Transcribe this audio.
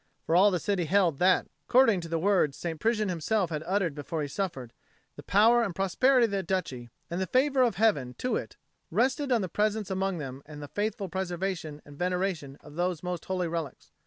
For all the city held that, according to the words St. Prisian himself had uttered before he suffered, the power and prosperity of the Duchy and the favour of Heaven to it rested on the presence among them and the faithful preservation and veneration of those most holy relics.